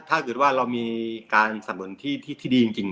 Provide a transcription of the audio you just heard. ถ้าเกิดว่าเรามีการสำหรับที่ที่ที่ที่ดีจริงจริง